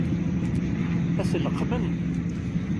Ad t-leqqmen?